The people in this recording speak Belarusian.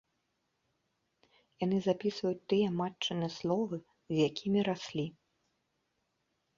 Яны запісваюць тыя матчыны словы, з якімі раслі.